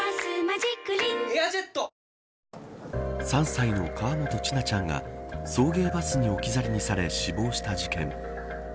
３歳の河本千奈ちゃんが送迎バスに置き去りにされ死亡した事件。